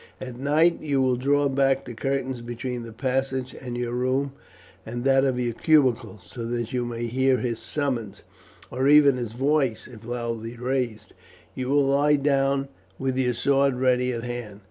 At night you will draw back the curtains between the passage and your room and that of your cubicule, so that you may hear his summons, or even his voice if loudly raised. You will lie down with your sword ready at hand.